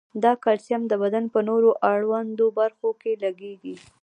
دا کلسیم د بدن په نورو اړوندو برخو کې لګیږي.